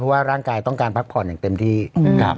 สีวิต้ากับคุณกรนิดหนึ่งดีกว่านะครับแฟนแห่เชียร์หลังเห็นภาพ